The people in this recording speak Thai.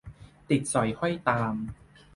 ติดสอยห้อยตาม